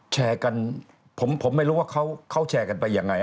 แชร์กันผมไม่รู้ว่าเขาแชร์กันไปยังไง